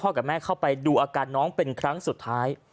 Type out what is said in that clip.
กับแม่เข้าไปดูอาการน้องเป็นครั้งสุดท้าย